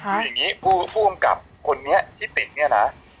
คืออย่างนี้ผู้กำกับคนนี้ที่ติดเนี่ยนะ